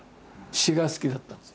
詩が好きだったんです。